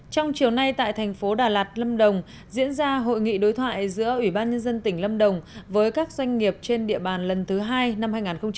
trong chiều nay tại thành phố đà lạt lâm đồng diễn ra hội nghị đối thoại giữa ủy ban nhân dân tỉnh lâm đồng với các doanh nghiệp trên địa bàn lần thứ hai năm hai nghìn hai mươi